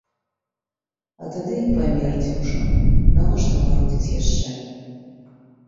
А тады й памерці ўжо, навошта марудзіць яшчэ.